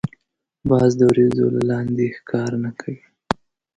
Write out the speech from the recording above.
باز د وریځو له لاندی ښکار نه کوي